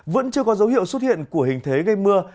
vẫn chưa có dấu hiệu xuất hiện của hình thế gây mưa